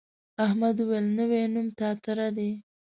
احمد وویل نوی نوم تتارا دی.